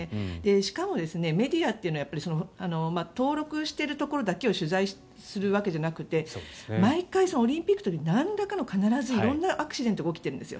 しかも、メディアというのは登録しているところだけを取材するわけじゃなくて毎回、オリンピックの時に必ずなんらかのアクシデントが起きているんです。